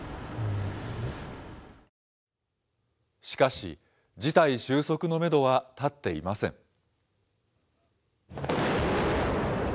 しかし、事態収束のメドは立っていません。